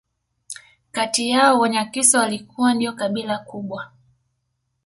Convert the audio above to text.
kati yao Wanyakyusa walikuwa ndio kabila kubwa